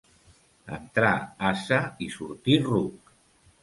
Entrar ase i sortir ruc.